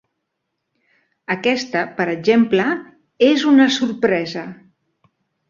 Aquesta, per exemple, és una sorpresa.